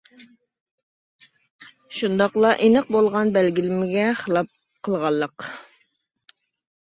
شۇنداقلا ئېنىق بولغان بەلگىلىمىگە خىلاپ قىلغانلىق.